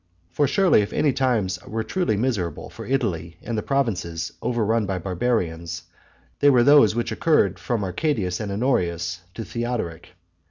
For surely if any times were truly miserable for Italy and the provinces overrun by the barbarians, they were those which occurred from Arcadius and Honorius to Theodoric.